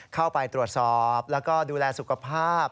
เข้าไปตรวจสอบแล้วก็ดูแลสุขภาพ